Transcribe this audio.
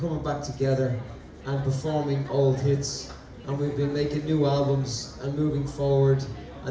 kami menjadi seorang kakak yang berpengalaman dan kami telah membuat album baru dan bergerak ke depan